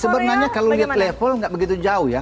sebenarnya kalau lihat level nggak begitu jauh ya